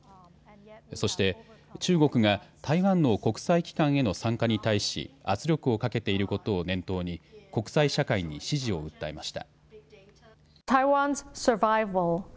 そして中国が台湾の国際機関への参加に対し圧力をかけていることを念頭に国際社会に支持を訴えました。